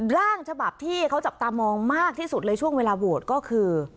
ร่างฉบับที่เขาจับตามองมากที่สุดเลยช่วงเวลาโหวตก็คือ